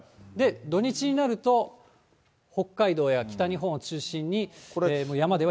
土日になると、北海道や北日本を中心に山では雪。